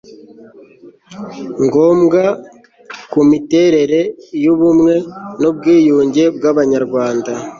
ngombwa ku miterere y ubumwe n ubwiyunge bw Abanyarwanda